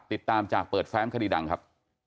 ติดตามจากเปิดแฟ้มคดีดังครับ